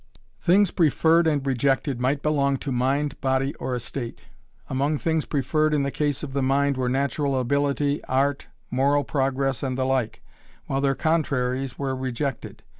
Things preferred and rejected might belong to mind, body or estate. Among things preferred in the case of the mind were natural ability, art, moral progress, and the like, while their contraries were rejected.